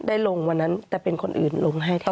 ได้ลงวันนั้นแต่เป็นคนอื่นลงให้เท่า